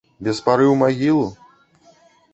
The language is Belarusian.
Без пары ў магілу?